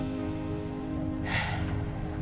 terima kasih banyak